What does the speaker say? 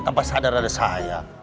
tanpa sadar ada saya